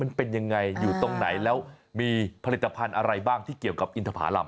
มันเป็นยังไงอยู่ตรงไหนแล้วมีผลิตภัณฑ์อะไรบ้างที่เกี่ยวกับอินทภารำ